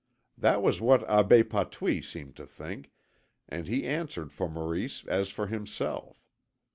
That was what Abbé Patouille seemed to think, and he answered for Maurice as for himself.